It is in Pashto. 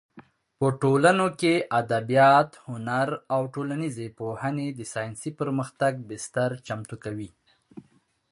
په ټولنو کې ادبیات، هنر او ټولنیزې پوهنې د ساینسي پرمختګ بستر چمتو کوي.